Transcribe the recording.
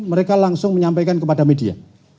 mereka langsung menyampaikan kepada media